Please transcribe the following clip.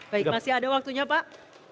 baik masih ada waktunya pak